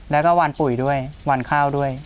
แล้วก็วันปุ๋ยด้วยวันข้าวด้วย